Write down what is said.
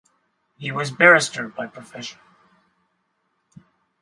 He was Barrister by profession.